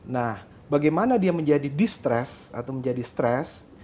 nah bagaimana dia menjadi distress atau menjadi stress